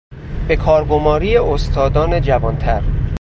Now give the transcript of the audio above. به کار گماری استادان جوانتر